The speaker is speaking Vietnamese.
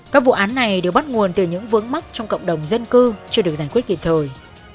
các vụ án này đều bắt nguồn từ những vướng mắc trong cộng đồng dân cư chưa được giải quyết kịp thời